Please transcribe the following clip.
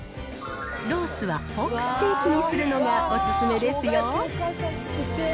ロースはポークステーキにするのがお勧めですよ。